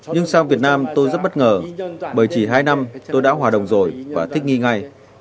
nhưng sang việt nam tôi rất bất ngờ bởi chỉ hai năm tôi đã hòa đồng rồi và thích nghi ngay